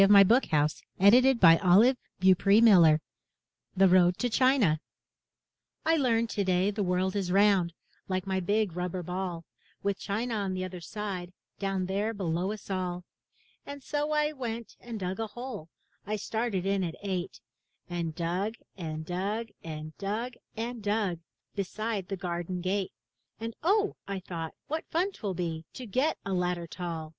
38s MY BOOK HOUSE THE ROAD TO CHINA Olive Beaupr6 Miller I learned today the world is round Like my big rubber ball, With China on the other side, Down there below us all. And so I went and dug a hole, — I started in at eight, — And dug and dug and dug and dug, Beside the garden gate. And Oh, I thought, what fun 'twill be To get a ladder tall.